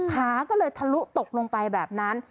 ขาก็เลยทะลุตกลงไปแบบนั้น